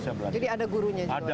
jadi ada gurunya juga